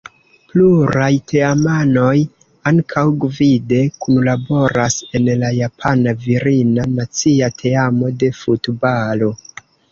Pluraj teamanoj ankaŭ gvide kunlaboras en la japana virina nacia teamo de futbalo.